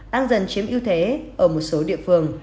đang dần chiếm ưu thế ở một số địa phương